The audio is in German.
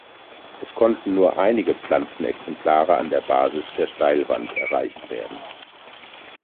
Es konnten nur einige Pflanzenexemplare an der Basis der Steilwand erreicht werden.